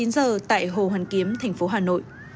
một mươi chín giờ tại hồ hoàn kiếm thành phố hà nội